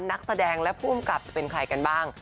นักแสดงและผู้อำกับจะเป็นใครกันบ้าง